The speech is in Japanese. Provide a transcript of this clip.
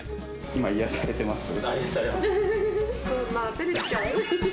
今癒やされてます？